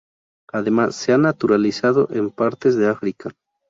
Además, se ha naturalizado en partes de África.